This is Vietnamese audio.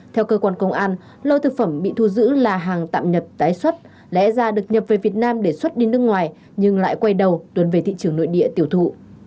theo cơ quan công an lô thực phẩm bị thu giữ là hàng tạm nhập tái xuất lẽ ra được nhập về việt nam để xuất đi nước ngoài nhưng lại quay đầu tuần về thị trường nội địa tiêu thụ